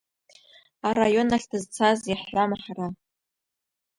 Араион ахь дызцазеи ҳҳәама ҳара…